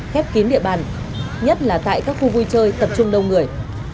khép kín địa bàn nhất là tại các khu vui chơi tập trung đông người